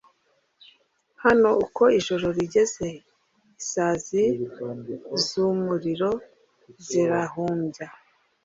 hano, uko ijoro rigeze, isazi zumuriro zirahumbya